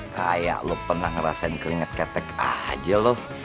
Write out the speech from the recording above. kayak lu pernah merasakan keringat ketek aja lu